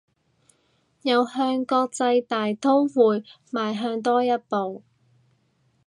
又向國際大刀會邁向多一步